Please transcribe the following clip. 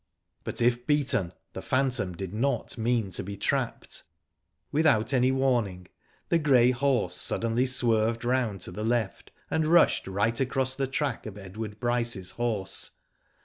But if beaten, the phantom did not mean to be trapped. Without any warning, the grey horse suddenly swerved round to the left, and rushed right across the track of Edward Bryce's horse.